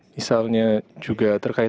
misalnya juga terkait